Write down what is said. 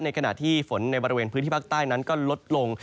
ขณะที่ฝนในบริเวณพื้นที่ภาคใต้นั้นก็ลดลง